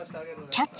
「キャッチ！